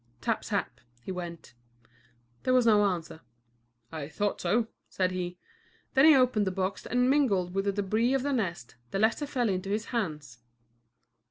"Tap, tap," he went. There was no answer. "I thought so," said he. Then he opened the box and, mingled with the débris of the nest, the letter fell into his hands.